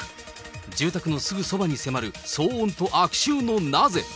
住宅のすぐそばに迫る騒音と悪臭のなぜ。